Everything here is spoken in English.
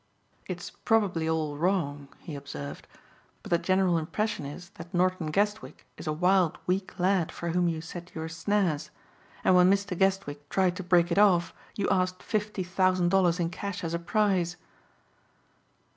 "It's probably all wrong," he observed, "but the general impression is that Norton Guestwick is a wild, weak lad for whom you set your snares. And when Mr. Guestwick tried to break it off you asked fifty thousand dollars in cash as a price."